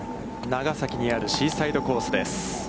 長崎にあるシーサイドコースです。